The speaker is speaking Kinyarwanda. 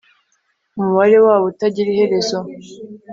Umubare wabo utagira iherezo